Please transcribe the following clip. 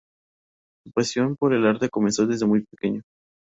Su pasión por el arte comenzó desde muy pequeño.